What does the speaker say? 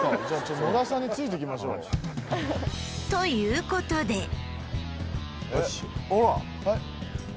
じゃあ野田さんについて行きましょうということでほらはい？